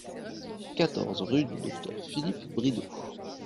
quatorze rue du Docteur Philippe Bridot